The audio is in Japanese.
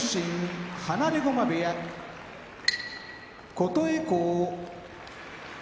琴恵光